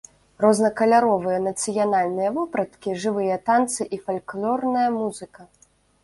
Рознакаляровыя нацыянальныя вопраткі, жывыя танцы і фальклорная музыка.